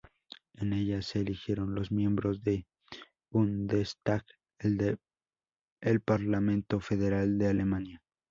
En ellas, se eligieron los miembros del Bundestag, el parlamento federal de Alemania.